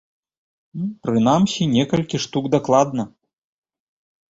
Прынамсі, некалькі штук дакладна.